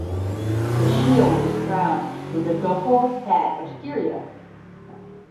The shield is crowned with the ducal hat of Styria.